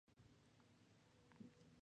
Surprisingly, this does not please Ginger.